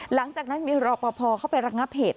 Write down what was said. หลังจากนั้นมีรอปภเข้าไประงับเหตุ